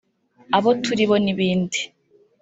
abo turibo n’ibindi